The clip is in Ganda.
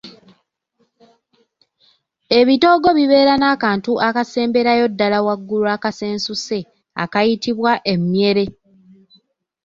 Ebitoogo bibeera n'akantu akasemberayo ddala waggulu akasensuse akayitibwa emyere.